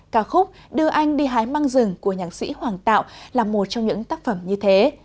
ca khúc đưa anh đi hái măng rừng của nhạc sĩ hoàng tạo là một trong những tác phẩm như thế